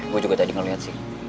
gue juga tadi ngeliat sih